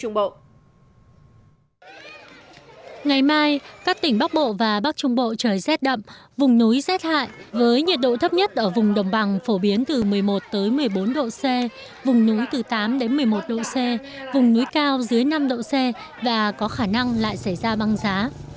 ngày mai các tỉnh bắc bộ và bắc trung bộ trời rét đậm vùng núi rét hại với nhiệt độ thấp nhất ở vùng đồng bằng phổ biến từ một mươi một một mươi bốn độ c vùng núi từ tám một mươi một độ c vùng núi cao dưới năm độ c và có khả năng lại xảy ra băng giá